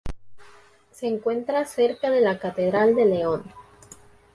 Se encuentra cerca de La Catedral de León.